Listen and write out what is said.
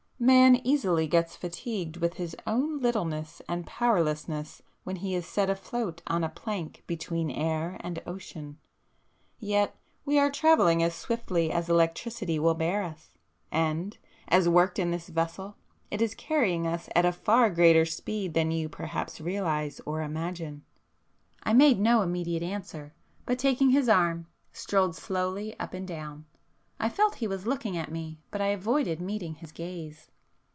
—man easily gets fatigued with his own littleness and powerlessness when he is set afloat on a plank between air and ocean. Yet we are travelling as swiftly as electricity will bear us,—and, as worked in this vessel, it is carrying us at a far greater speed than you perhaps realize or imagine." I made no immediate answer, but taking his arm strolled slowly up and down. I felt he was looking at me, but I avoided meeting his gaze.